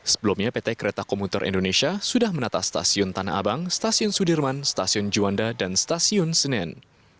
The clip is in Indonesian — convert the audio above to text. sebelumnya pt kereta komuter indonesia sudah menata stasiun tanah abang stasiun sudirman stasiun juanda dan stasiun senen